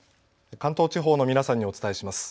関東地方の皆さんにお伝えします。